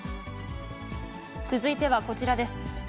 続いてはこちらです。